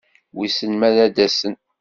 Wissen ma ad-asen?